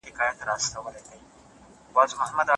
لارښود استاد باید په اړونده موضوع بشپړ علمي حاکمیت ولري.